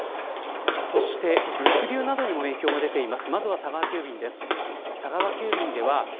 そして、物流などにも影響が出ています。